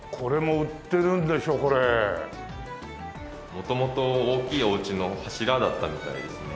元々大きいお家の柱だったみたいですね。